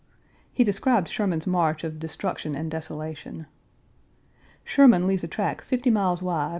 He described Sherman's march of destruction and desolation. "Sherman leaves a track fifty miles wide, upon which there 1.